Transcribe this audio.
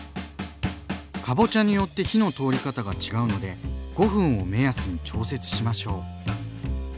かぼちゃによって火の通り方が違うので５分を目安に調節しましょう。